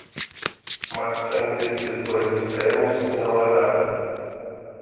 Mas, entre esses dois extremos, não há nada.